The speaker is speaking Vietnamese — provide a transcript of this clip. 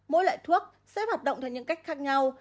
mỗi loại thuốc xếp hoạt động theo những cách khác nhau